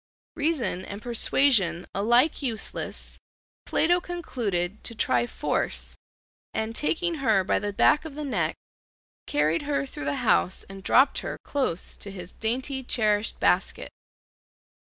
Reason and persuasion alike useless, Plato concluded to try force and, taking her by the back of the neck, carried her through the house and dropped her close to his dainty cherished basket.